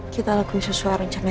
kita lakuin sesuai rencana